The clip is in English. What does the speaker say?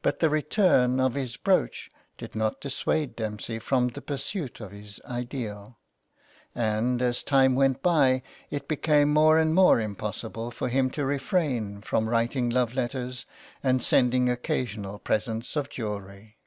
But the return of his brooch did not dissuade Dempsey from the pursuit of his ideal; and as time went by it became more and more impossible for him to refrain from writing love letters, and sending occasional presents of jewellery.